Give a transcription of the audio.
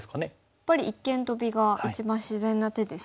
やっぱり一間トビが一番自然な手ですか。